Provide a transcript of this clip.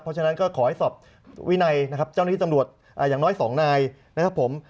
เพราะฉะนั้นก็ขอให้สอบวินัยนะครับเจ้าหน้าที่ตำรวจอย่างน้อย๒นายนะครับผม